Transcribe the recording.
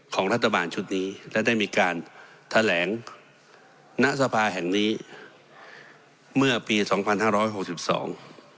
ของรัฐบาลชุดนี้และได้มีการแถลงณสภาแห่งนี้เมื่อปีสองพันห้าร้อยหกสิบสอง